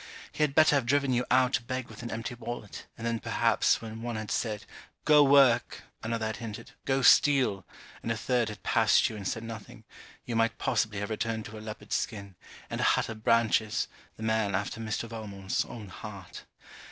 He had better have driven you out to beg with an empty wallet, and then perhaps when one had said Go work another had hinted Go steal and a third had passed you and said nothing, you might possibly have returned to a leopard's skin, and a hut of branches, the man after Mr. Valmont's own heart.